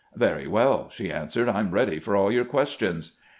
" Very well," she answered ;" I 'm ready for aU your questions."